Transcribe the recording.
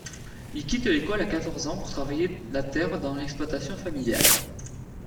Il quitte l’école à quatorze ans pour travailler la terre dans l’exploitation familiale.